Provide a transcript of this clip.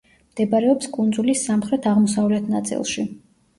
მდებარეობს კუნძულის სამხრეთ-აღმოსავლეთ ნაწილში.